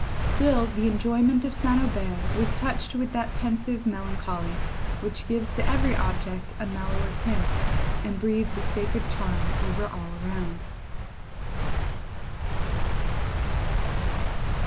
Still the enjoyment of St. Aubert was touched with that pensive melancholy, which gives to every object a mellower tint, and breathes a sacred charm over all around.